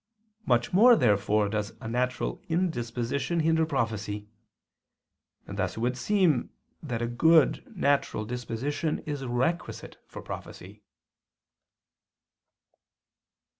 Much more therefore does a natural indisposition hinder prophecy; and thus it would seem that a good natural disposition is requisite for prophecy.